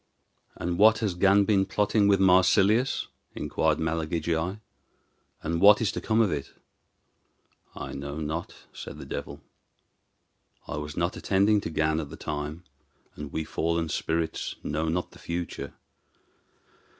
"And what has Gan been plotting with Marsilius?" inquired Malagigi; "and what is to come of it?" "I know not," said the devil. "I was not attending to Gan at the time, and we fallen spirits know not the future.